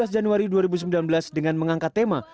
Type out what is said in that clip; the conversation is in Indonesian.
dua belas januari dua ribu sembilan belas dengan mengangkat tema